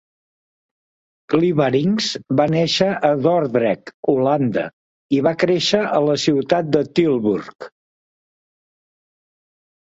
Clivaringz va néixer a Dordrecht, Holanda, i va créixer a la ciutat de Tilburg.